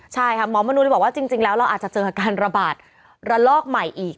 ใช่ค่ะหมอมนุนบอกว่าจริงแล้วเราอาจจะเจอการระบาดระลอกใหม่อีก